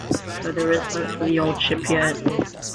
So there is hope for the old ship yet.